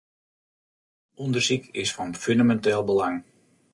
Undersyk is fan fûneminteel belang.